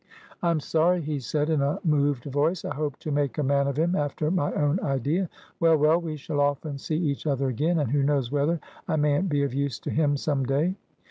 "I'm sorry," he said, in a moved voice. "I hoped to make a man of him, after my own idea. Well, well, we shall often see each other again, and who knows whether I mayn't be of use to him some day?"